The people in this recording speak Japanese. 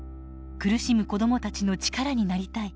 苦しむ子どもたちの力になりたい。